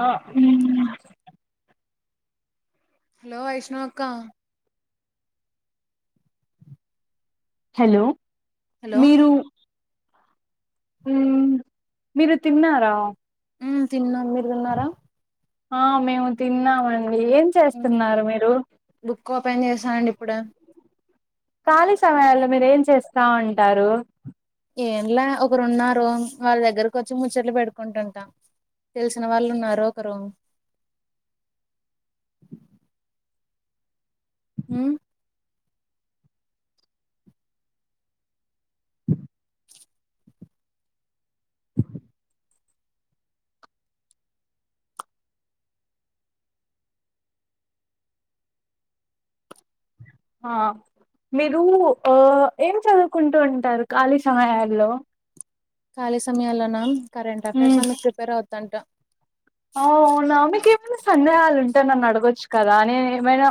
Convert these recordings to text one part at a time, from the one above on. ఆ హలో వైష్ణవి అక్క hello hello మీరు ఉమ్ మీరు తిన్నారా ఉమ్ తిన్నాం మీరు తిన్నారా ఆ మేము తిన్నామండి ఏం చేస్తున్నారు మీరు బుక్ ఓపెన్ చేశా అండి ఇప్పుడే ఖాళీ సమయాల్లో మీరు ఏం చేస్తా ఉంటారు ఏం లే ఒకరు ఉన్నారు వాళ్ దగ్గరకోచ్చి ముచ్చట్లు పెట్కుంటుంటాం తెలిసిన వాళ్ళు ఉన్నారు ఒకరు హు హా మీరు ఆ ఏం చదువుకుంటూ ఉంటారు ఖాళీ సమయాల్లో కాలి సమయల్లోన కరెంట్ మ్, అఫైర్స్ అన్ని ప్రిపేర్ అవుతాంట ఆ అవునా మీకు ఏమైనా సందేహాలు ఉంటె నన్ను అడగొచ్చు కదా నేను ఏమైనా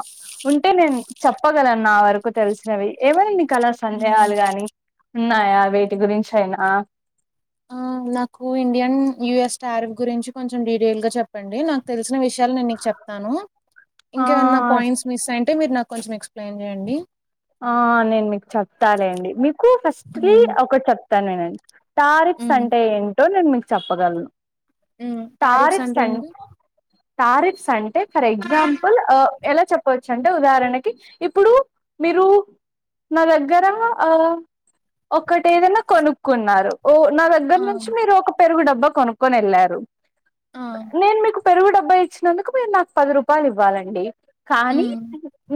ఉంటే నేను చెప్పగలను నా వరకు తెలిసినవి ఏమై నీకాల సందేహాలు గాని ఉన్నాయా వేటి గురించి అయినా ఆ నాకు ఇండియన్ యుఎస్ టారిఫ్ గురించి కొంచెం డీటెయిల్ గా చెప్పండి నాకు తెలిసిన విషయాలు నేను నీక్ చెప్ స్తాను ఆ ఇంకేమన్నా పాయింట్స్ మిస్ అయింటే మీరు నాకు కొంచెం ఎక్స్ప్లెయిన్ చేయండి ఆ నేను మీకు చెప్తాలేండి మీకు ఫస్ట్లీ మ్మ్ ఒకటి చెప్తాను నేనండి తారిఫ్స్ మ్మ్ అంటే ఏంటో నేను మీకు చెప్పగలను మ్మ్ టారిఫ్స్ తారిఫ్స్ అంటే అం ఏంటి తారిఫ్స్ అంటే ఫర్ ఎగ్జాంపుల్ ఆ ఎలా చెప్పోచంటే ఉదాహరణకి ఇప్పుడు మీరు నా దగ్గర ఆ ఒక్కటి ఏదన్న కొనుక్కున్నారు ఓ నా దగ్ దగ్గర ఆ నుంచి మీరు ఒక పెరుగు డబ్బా కొనుక్కొనేళ్ళారు ఆ నేను మీకు పెరుగు డబ్బా ఇచ్చినందుకు మీరు నాకు పది రూపాయలు ఇవ్వాలండి కానీ మ్మ్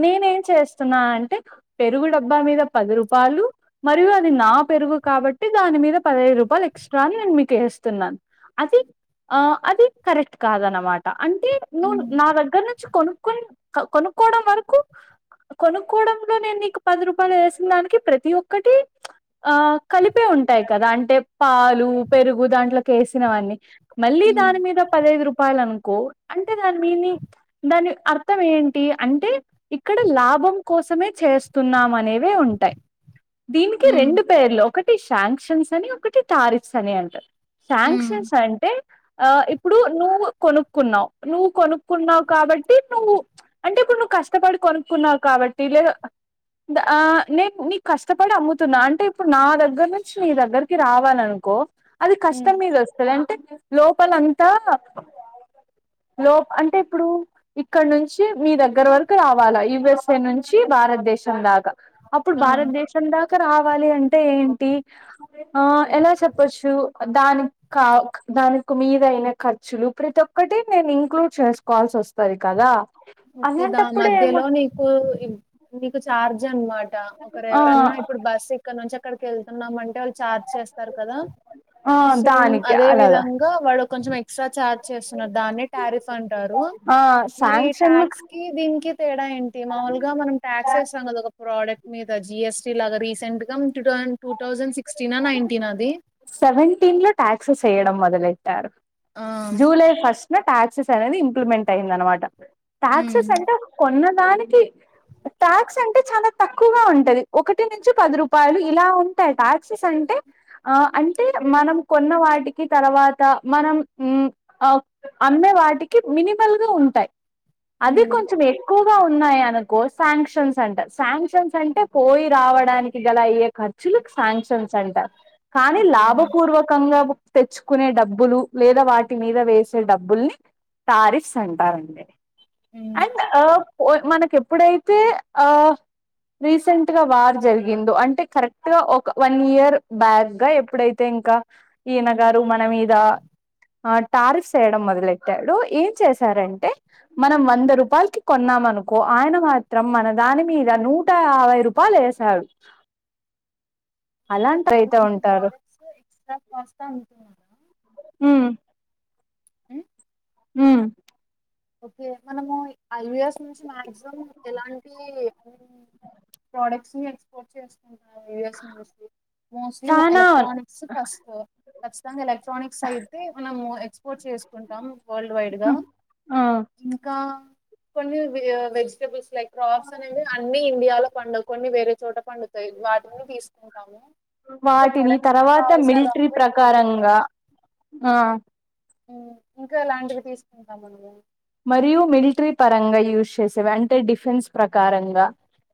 నేనేం చేస్ స్తున్నా అంటే పెరుగు డబ్బా మీద పది రూపాలు మరియు అది నా పెరుగు కాబట్టి దాని మీద పదహైదు రూపాయలు ఎక్స్ట్రా అని నేను మీకు ఏస్తున్నాను అది ఆ అది కరెక్ట్ కాదానమాట్ టా అంటే నువ్ మ్మ్ నా దగ్గర నుంచి కొనుక్కని కొనుక్కోవడం వరకు కొను కోడంలో నేను నీకు పది రూపాయలు వేసిన దానికి ప్రతి ఒక్కటి ఆ కలిపే ఉంటాయి కదా అంటే పాలు పెరుగు దాంట్లోకేసినవన్నీ మళ్ళీ హ్మ్ దాని మీద పదహైదు రూపాయలు అనుకో అంటే దాని మీనిగ్ దాని అర్థం ఏంటి అంటే ఇక్కడ లాభం కోసమే చేస్తున్నామనేవే ఉంటాయి దీనికి హ్మ్ రెండు పేర్లో ఒకటి శాంక్షన్స్ అని ఒకటి టారిఫ్స్ అని అంటారు హ్మ్ శాంక్షన్స్ అంటే ఆ ఇప్పుడు నువ్వు కొనుక్కున్నావ్ నువ్వు కొనుక్కున్నావ్ కాబట్టి నువ్ అంటే ఇప్పుడు నువ్వు కష్టపడి కొనుక్కున్నావు కాబట్టి లే దా నేను నీకు కష్టపడి అమ్ముతున్నా అంటే ఇప్పుడు నా దగ్గర నుంచి నీ దగ్గరకి రావాలను కో అది హ్మ్. కష్టం మీద వస్తది అంటే లోపలంతా లోప్ అంటే ఇప్పుడు ఇక్కడ నుంచి మీ దగ్గర వరకు రావాలా యుఎస్ఏ నుంచి చ్చి భారతదేశం దాకా అప్పుడు ఆ! భారతదేశం దాకా రావాలి అంటే ఏంటి ఆ ఎలా చెప్పొచ్చు దాని కా దానియొక్క మీదయిన ఖర్చులు ప్రతి ఒక్కటి నేను ఇంక్లూడ్ చేసుకోవాల్సి వస్ స్తది కదా అలాంటప్పుడే ఏమ కు నీకు చార్జ్ అనమాట ఒకరు ఆ ఎవరన్నా ఇప్పుడు బస్ ఇక్కడ నుంచి అక్కడికేళ్తున్నాం అంటే వాళ్ళు ఛార్జ్ చేస్తారు కదా ఆ సేమ్ దానికి అదే అలాగా విధం గా వాడు కొంచెం ఎక్స్ట్రా ఛార్జ్ చేస్తున్నారు దాన్నే టారిఫ్ అంటారు ఆ సాంక్షన్క్లాక్ కి దీనికి తేడా ఏంటి మాముూలుగా మనం ట్యాక్స్ వేస్తాం కద ఒక ప్రోడక్ట్ మీదా జిఎస్టీ లాగా రీసెంట్ గా టూ థౌజండ్ సిక్స్టీన్ ఆ నైన్టీన్ ఆ అది సెవెంటీన్ లో టాక్సెస్ ఏయ్యడం మొదలెట్టారు ఆ! జూలై ఫస్ట్ ఇంగ టాక్సెస్ అనేది ఇంప్లిమెంట్ అయింది అనమాట. హ్మ్. టాక్సెస్ అంటే కొన్నదానికి ట్యాక్స్ అంటే చాలా తక్కువగా ఉంటది. ఒకటి నుంచి పది రూపాయలు ఇలా ఉంటాయి టాక్సెస్ అంటే ఆ అంటే మనం కొన్న వాటికి తర్వాత మనం ఆ అమ్మే వాటికి మినిమల్గా ఉంటాయి. అవి హ్మ్. కొంచెం ఎక్కు వగా ఉన్నాయి అనుకో సాంక్షన్స్ అంటరు, సాంక్షన్స్ అంటే పోయి రావడానికి గల అయ్యే ఖ సాంక్షన్స్ అంటరు కానీ ఓకే. లాభపూర్వకంగా తెచ్చుకునే డబ్బులు లేదా వాటి మీద వేసే డబ్బుల్ని తారిఫ్స్ అంటారు అండి హ్మ్. అండ్ అ ఒ మనకు ఎప్పుడైతే ఆ రీసెంట్గా వార్ జరిగిందో అంటే కరెక్ట్గా ఒక వన్ ఇయర్ బ్యాక్ ఇంగా ఎప్పుడైతే ఇంకా ఈయన గారు మన మీద ఆ టారిఫ్స్ ఎయ్యడం మొదలెట్టాడొ ఏం చేసారంటే మనం వంద రూపాయలకిి కొన్నాం అనుకో ఆయన మాత్రం మన దాని మీద నూట యాభై రూ వాళ్ళే ఎసినారు. అలాంటి అయితే ఉంటారు. సో ఎక్స్ట్రా కాస్ట్ అనుకున్నాను. ఉ ఉ ఓకే మనము ఐవిస్ నుంచి మాక్సిమం ఎలాంటి ప్రోడక్ట్స్ ని ఎక్స్పోర్ట్ చేస్కుంటాము యూఎస్ నుంచి. మోస్ట్లీ చానా ఎలక్ట్రానిక్స్ ఫస్ట్ ఖచ్చితంగా ఎలక్ట్రానిక్స్ అయితే మనము ఎ క్స్పోర్ట్ చేసుకుంటాం వరల్డ్ వైడ్గా ఆ ఇంకా కొన్ని వె వెజిటబుల్స్ లైక్స్ క్రాప్స్ అనేవి అన్ని ఇండియాలో పండవు. కొన్ని వేరే చోట పండుతాయి వాటిని తీసుకుంటాము. ఇంకా వాటిని ప్రొడక్షన్ తర్వాత కావాల్సిన రా మిలిట్రి మెటీరియల్ ప్రకారంగా ఆ ఇంకా ఎలాంటివి తీసుకుంటాం మనము. మరియు మిలిట్రి పరంగా యూజ్ చేసేవి అంటే డిఫెన్స్ ప్రకారంగా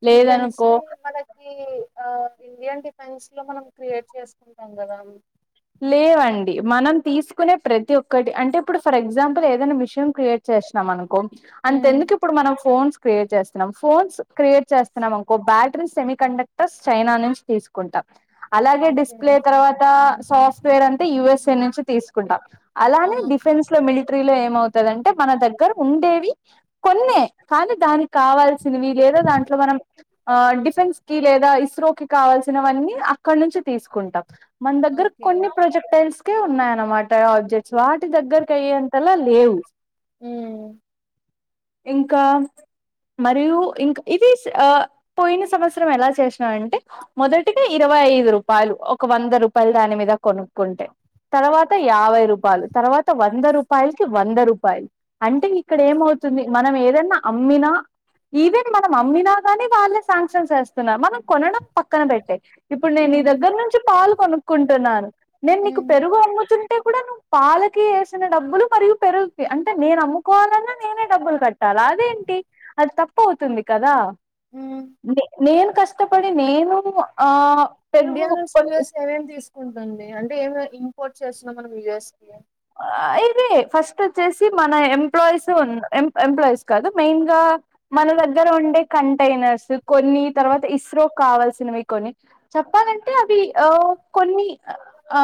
లేదనుకో డిఫెన్స్ని మన ఈ ఆ ఇండియన్ డిఫెన్స్లో మనం క్రియేట్ చేసుకుంటాం కదా లేవండి మనం తీసుకునే ప్రతి ఒక్కటి అంటే ఇప్పుడు ఫర్ ఎగ్జాంపుల్ ఏదన్నా మిషన్ క్రియేట్ చేశినం అనుకో అంత ఉమ్ ఎందుకు ఇప్పుడు మనం ఫోన్స్ క్రియేట్ చేస్తున్నాం, ఫోన్స్ క్రియేట్ చేస్తున్నాం అనుకో బ్యాటరీ సెమీ కండక్టర్స్ చైనా నుంచి తీసు కుంటాం అలాగే ఓకే డిస్ప్లే తర్వాత సాఫ్ట్ వేర్ అంటే యూఎస్ఏ నుంచి తీసుకుంటాం ఆ అలానే డిఫెన్ న్స్లో మిలిట్రీలో ఏమవుతదంటే మన దగ్గర ఉండేవి కొన్నే కానీ దానికి కావాల్సినవి లేదా దాంట్లో మనం ఆ డిఫెన్స్కి లేదా ఇస్రోకి కావల్సినవన్నీ అక్కడ్నుంచి తీసుకుంటం. మన దగ్గర ఓకే ప్రోజెక్టైల్స్కే ఉన్నాయి అనమాట ఆబ్జెక్ట్స్ వాటి దగ్గరకి అయ్యేంతలా లేవు. ఉమ్ ఇంకా మరియు ఇంక ఇది ఆ పోయిన సంవత్సరం ఎలా చేశినా అంటే మొదటిగా ఇరవై ఐదు రూపాయలు ఒక వంద రూపాయలు దాని మీద కొనుక్కుంటే. తర్వాత యాబై రూపాయలు తర్వాత వంద రూపాయల్కి వంద రూపాయలు. అంటె ఇక్కడ ఏమవుతుంది మనం ఏదన్నా అమ్మినా ఈవెన్ మనం అమ్మినా గాని వాళ్ళే సాంక్షన్ ఎస్తున్నారు మనం కొనడం పక్కన పెట్టేయి ఇప్పుడు నేను నీ ఉమ్ దగ్గర నుంచి పాలు కొనుక్కుంటున్నాను నేను నీకు ఉమ్ పెరుగు అమ్ముతుంటే కూడా నువ్ పాలకి ఎసిన డబ్బులు మరియు పెరుగుకి అంటే నేను అమ్ముకోవాలన్న డబ్బులు కట్టాలి అదేంటి అది తప్పవుతుంది ఉమ్ కదానె నేను కష్ కష్ట పడేది నేను ఆ ఇండియా నున్స్ పెరుగు యుఎస్ కి ఏమేమి తీసుకుంటదండి అంటే ఏమె ఇంపోర్ట్ చేస్తున్నం మనం యుఎస్ కి ఆ ఇది ఫస్ట్ వాచ్చేసి మన ఎంప్లాయిస్ ఉన్ ఎం ఎంప్లాయిస్ కాదు మెయిన్ గా మన దగ్గర ఉండే కంటైనర్స్ కొన్ని తర్వాత ఇస్రో కావాల్సినవి కొన్ని చెప్పాలంటే అవి ఆ కొన్ని ఆ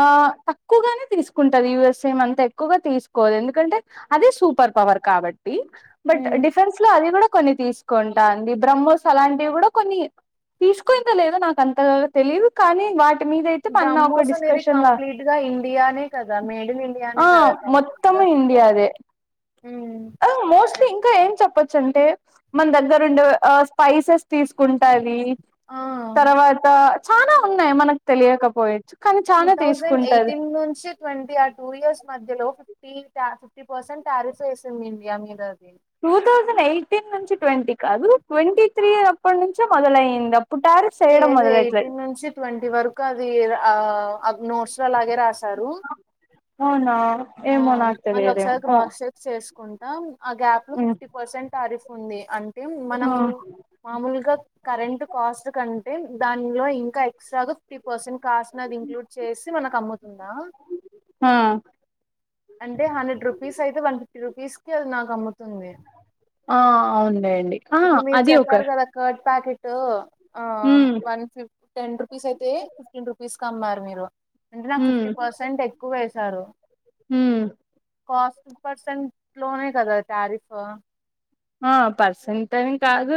తక్కువగానే తీసుకుంటారు యుఎస్ సేమ్ అంత ఎక్కువగా తీసుకోదు ఎందుకంటే అది సూపర్ పవర్ కాబట్ ట్టి బట్ ఉమ్ డిఫెన్స్ లో అది కూడా కొన్ని తీసుకుంటా అండి బ్రహ్మోస్ అలాంటివి కూడా కొన్ని తీసుకొ ఇంకా లేదు నాకు అంతగా తెలిదు కానీ వాటి మీదైతే పన్నా ఒక డిస్కషన్ లా లుగా ఇండియానే కదా మేడిన్ ఇం ఆ మొత్తము ఇండియాదే ఉమ్ ఓ మోస్ట్లీ ఇంకా ఏం చెప్పొచ్చు అంటే మన దగ్గర ఉండే ఆ స్పైసెస్ తీసుకుంటా అవి ఆ తర్వాత చానా ఉన్నాయ్ మనకు తెలియకపోయచ్చు కానీ టూ చానా థౌజండ్ తీసుకుంటది ఎయిటీన్ నుంచి ట్వంటీ ఆ టూ ఇయర్స్ మధ్యలో ఫిఫ్టీ టా ఫిఫ్టీ పర్సెంట్ టారిస్ వేసింది ఇండియా మీద అది టూ థౌజండ్ ఎయిటీన్ నుంచి ట్వంటీ కాదు ట్వంటీ త్రీ అప్పటి నుంచే మొదలైంది అప్పుడు టారిస్ లేదు ఎయిటీన్ నుంచి ట్వంటీ వరకు అది ఆ అద్ నోట్స్ లో అలానే రాశారు అవునా ఏమో నాకు తెలియదే సేసుకుంటాం ఆ గ్యాప్ లో ఫిఫ్టీ పర్సెంట్ తారిఫ్ ఉంది అంటే మనం మామూలుగా కరెంట్ కాస్ట్ కంటే దానిలో ఇంకా ఎక్సట్రాగా ఫిఫ్టీ పర్సెంట్ కాస్ట్ నది ఇంక్లూడ్ చేసి మనకు అమ్ముతుందామ్ ఆ అంటే హండ్రెడ్ రుపీస్ అయితే వన్ ఫిఫ్టీ రుపీస్ కి అది నాకు అమ్ముతుంది ఆ ఉన్నాయండి ఆ ఇప్పుడు మీరు అది ఒక చెప్పారు కదా కర్డ్ ప్యాకెటు ఆ మ్ వన్ ఫిఫ్ టెన్ రూపీస్ అయితే ఫిఫ్టీన్ రూపీస్ కమ్మారు మీరు అంటే నాకు ఫిఫ్టీ పర్సెంట్ ఎక్కువ వేశారు ఉమ్ కాస్ట్ పర్సెంట్ లోనే కదా తారిఫు ఆ పర్సెంటెమి కాదు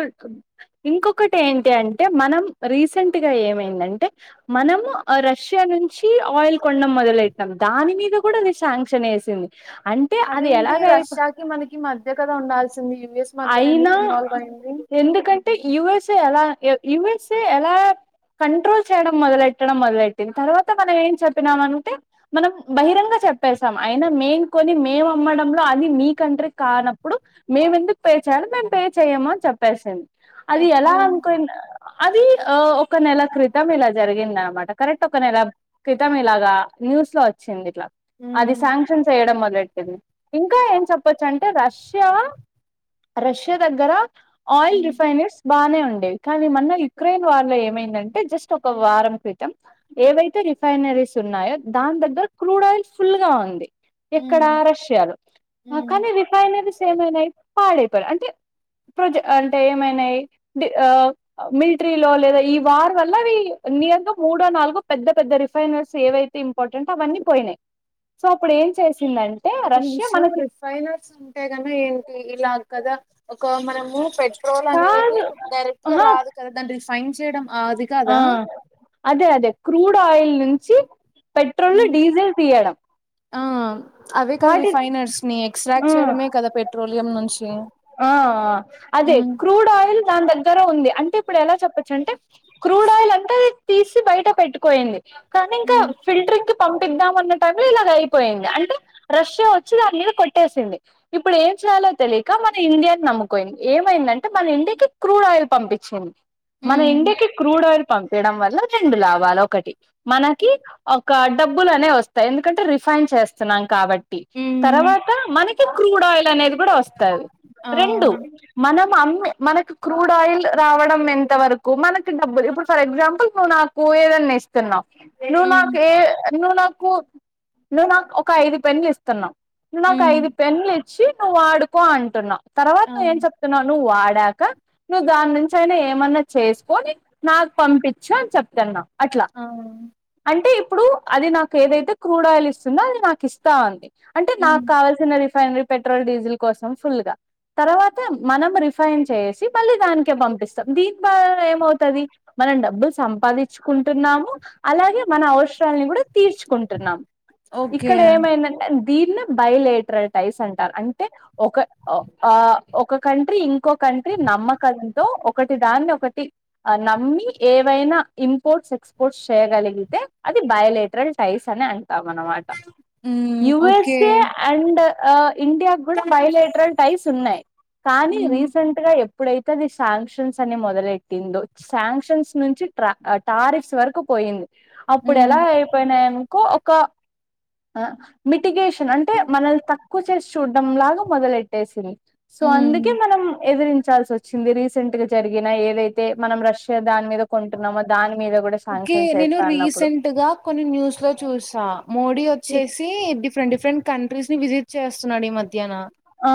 ఇంకొకటి ఏంటి అంటే మనం రీసెంట్గా ఏమైందంటే మనము రష్యా నుంచి ఆయిల్ కొండం మొదలు వెట్నం దాని మీద కూడ అది శాంక్షన్ ఎసింది అం అదేంటి రష్యాకిి మనకి మధ్య కదా ఉండాల్సింది యుఎస్ మధ్యలో అయినా ఎందుకు ఇన్వాల్వ్ అయింది ఎందుకంటే యుఎస్ ఏ ఎలా యు యుఎస్ఏ ఎలా కంట్రోల్ చేయడం మొదలెట్టడం మొదలెట్టింది తర్వాత మనం ఏం చెప్పినాం అంటె మనం బహిరంగా చెప్పేసాం అయినా మేం కొని మేము అమ్మడంలో అది మీ కంట్రీకి కానప్పుడు మేము ఎందుకు పే చేయాల మేము పే చెయము అని చెప్పేసింది అది ఎలా ఎప్పుడు అనుకున్ అది ఆ ఒక నెల క్రితం ఇలా జరిగింది అనమాట కరెక్ట్ ఒక నెల క్రితం ఇలాగా న్యూస్ లో వచ్చింది అట్లా అది ఉమ్ శాంక్షన్ చేయడం మొదలెట్టింది ఇంకా ఏం చెప్పొచ్చు అంటే రష్యా రష్యా దగ్గర ఆయిల్ ఉమ్ రిఫైనరీస్ బానే ఉండేవి కానీ మొన్న యుక్రెయిన్ వళ్ళయి ఏమైందంటే జస్ట్ ఒక వారం క్రితం ఏవైతే రిఫైనరీస్ ఉన్నాయో దాని దగ్గర క్రూడ్ ఆయిల్ ఫుల్ గా ఉంది ఎక్కడా ఉమ్ రష్యాలో ఉమ్ కానీ రిఫైనరీస్ ఏమైనయి పాడైపోయినయ్ అంటే ప్రోజె అంటే ఏమైనయి డ్ ఆ మిల్ట్రీలో లేదా ఈ వార్ వల్ల అవి నియర్గా మూడో నాలుగో పెద్ద పెద్ద రిఫైనరీస్ ఏవై తింపార్టెంట్ అవన్నీ పోయినయి సో అప్పుడు ఏం చేసిందంట్ ఒక నిమిషం రిఫైనర్స్ ఉంటే గన ఏంటి ఇలా కదా ఒక మనం ను పెట్రోల్ అనేది కాదు డైరెక్ట్ గా ఆహా రాదు కదా దాన్ని రిఫైన్ చేయడం అది ఆ కదా అదే అదే క్రూడ్ ఆయిల్ నుంచి పెట్రోల్లు ఉమ్ డీజిల్ తీయడం ఆ అవే కదా వాటి రిఫైనర్స్ ని ఆ ఎక్స్ట్రాక్ట్ చేయడమే కదా పెట్రోలియం నుంచి ఆ అదే ఉమ్ క్రూడ్ ఆయిల్ దాని దగ్గర ఉంది అంటే ఇప్పుడు ఎలా చెప్పొచ్చు అంటే క్రూడ్ ఆయిల్ అంటే అది తీసి బయట పెట్టుకొయింది కానీ ఇంకా ఉమ్, ఫిల్టరింగ్ కి పంపిద్దాం అన్న టైం లో ఇలాగ అయిపోయింది అంటె రష్యా వచ్చి దాని మీద కొట్టేసింది ఇప్పుడు ఏం చేయాలో తెలియక మన ఇండియాని నమ్ముకోయింది ఏమైందంటే మన ఇండికి క్రూడ్ ఆయిల్ పంపిచింది మన ఉమ్, ఇండికి క్రూడ్ ఆయిల్ పంపడం వల్ల రెండు లాభాలు ఒకటి మనకి ఒక డబ్బులనే వస్తాయ్ ఎందుకంటే రిఫైన్ చేస్తున్నాం కాబట్ ట్టి ఉమ్, తర్వాత మనకి క్రూడ్ ఆయిల్ అనేది గూడ వస్తాది ఆ రెండు మనం అమ్ మనకు క్రూడ్ ఆయిల్ రావడం ఎంత వరకు మనకి డబ్బులు ఇప్పుడు ఫర్ ఎగ్జాంపుల్ నువ్వు నాక్ కూ ఎదన్న ఇస్ స్తున్నవ్ నువ్వు ఉమ్, నాకు ఏ నువ్వు నాకు నువ్వు నాకు ఒక ఐదు పెన్నులు ఇస్తున్నావ్ నాకు ఉమ్, ఐదు పెన్లు ఇచ్చి నువ్వు ఆడుకో అంటున్నావ్ తర్వాత ఆ నువ్వు ఏం చెప్ తున్నవ్ నువ్వు వాడాక నువ్వు దాని నుంచి అయినా ఏమన్న చేసుకొని నాకు పంపిచు అని చెప్తాన్నా అట్ల ఆ అ అంటే ఇప్పుడు అది నాకు ఏదైతే క్రూడ్ ఆయిల్ ఇస్తుందో అది నాకు ఇస్తా అంది అంటే ఉమ్, నాకు కావాల్ సిన రిఫైనరీ పెట్రోల్ డీజిల్ కోసం ఫుల్ గా తర్వాత మనం రిఫైన్ చేసి మళ్ళీ దానికే పంపిస్తాం దిని ద్వారా ఏమవుతది మనం డబ్బులు సంపాదించుకుంటున్నాము అలాగే మన అవసరాలని గూడ తీర్చుకుంటున్నాం ఓకే ఇక్కడ ఏమైందంటే దీన్నె బైలేటరల్ టైస్ అంటారు అంటే ఒక ఒ ఆ ఒక కంట్రీ ఇంకో కంట్రీ నమ్మకంతో ఒకటి దాన్ని ఒకటి ఆ నమ్మి ఏవైనా ఇంపోర్ట్స్ ఎక్స్పోర్ట్స్ చేయగలిగితే అది బైలేటరల్ టైస్ అని అం టాం అనమాట మ్ ఓకే యుఎస్ఏ అండ్ ఆ ఇండియా గూడ బైలేటరల్ టైస్ ఉన్నాయి కానీ ఉమ్ రీసెంట్ ట్గా ఎప్పుడైతే అది శాంక్షన్స్ అని మొదలెట్టిందొ శాంక్షన్స్ నుంచి ట్రా టారిక్స్ వరకు పోయింది అప్పుడు ఎలా ఉమ్ అయిపోయినాయినుకో ఒక అ మి టిగేషన్ అంటే మనళ్ తక్కువ చేసి చూడ్డం లాగా మొదలెట్టేసింది సో ఉమ్ అందుకే మనం ఎదిరించాల్సి ఒచ్ చ్చింది రీసెంట్ గా జరిగినా ఏదైతే మనం రష్యా దాని మీద కొంటున్నామో దాని మీద గూడ ఓకే నేను రీసెంట్ గా కొన్ని న్యూస్ లో చూసా మోడీ వచ్చేసి డిఫ్ ఫ్రెండ్ డిఫ్రెంట్ కంట్రీస్ ని విజిట్ చేస్తున్నాడు ఈ మధ్యనా ఆ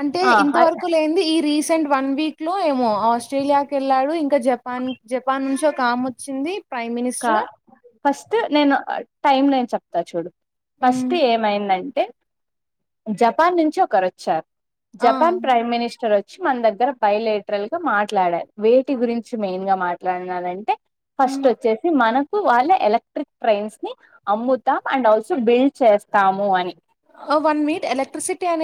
అంటే ఆ ఇంత వరకు లేంది ఈ రీస్ సెంట్ వన్ వీక్లో ఏమో ఆస్ట్రేలియాకెళ్ళాడు ఇంకా జపాన్ జపాన్ నుంచి ఒకామొచ్చింది క ఫస్ట్ నేను టైమ్ నేను చెప్తా చూడు ఉమ్, ఫస్ట్ ఏమైందంటే జపాన్ నుంచి ఒకరొచ్చారు ఆ జపాన్ ప్రైమ్ మినిస్టర్ ఒచ్ చ్చి మన్దగ్గర బైలేట్రల్ గా మాట్లాడారు వేటి గురించి మెయిన్ గా మాట్లాడినారంటే ఉమ్. ఫస్టొచ్చేసి మన వాళ్ళే ఎలక్ట్రిక్ ట్రైన్స్ ని అమ్ముతాం అండ్ ఆల్సో బిల్డ్ చేస్తాము అని ఒ వన్ మీట్ ఎలక్ట్రిసిటీ అనే